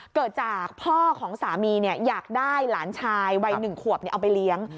เกิดจากพ่อของสามีอยากได้หลานชายวัย๑ขวบเอาไปเลี้ยง